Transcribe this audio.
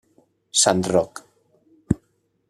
Sant Roc.